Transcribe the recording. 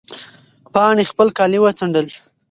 پاڼې خپل کالي وڅنډل.